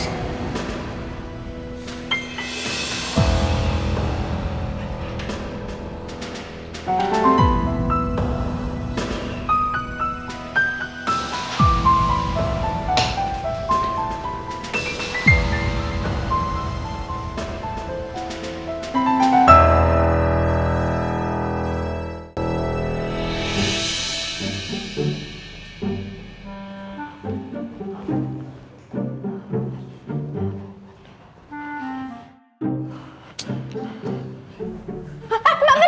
ya udah keluar